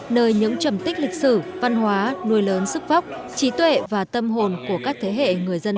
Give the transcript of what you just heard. nơi những trầm tích lịch sử văn hóa nuôi lớn sức vóc trí tuệ và tâm hồn của các thế hệ người dân